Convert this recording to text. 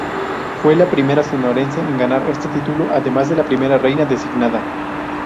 Fue la primera Sonorense en ganar este título además de la primera reina designada.